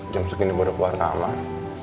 jam segini baru keluar kamar